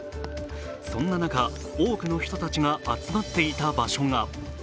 そんな中、多くの人たちが集まっていた場所が。